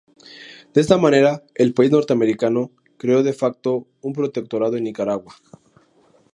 De esta manera el país norteamericano creo de facto un protectorado en Nicaragua.